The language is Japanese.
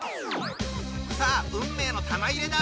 さあ運命の玉入れだ！